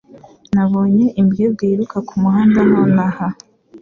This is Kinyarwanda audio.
Nabonye imbwebwe yiruka kumuhanda nonaha